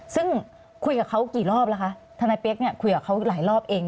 ซึ่งคุยกับเขากี่รอบแล้วคะทนายเปี๊ยกเนี่ยคุยกับเขาหลายรอบเอง